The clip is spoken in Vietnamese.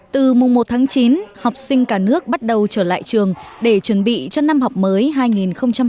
từ mùng một tháng chín học sinh cả nước bắt đầu trở lại trường để chuẩn bị cho năm học mới hai nghìn hai mươi hai nghìn hai mươi một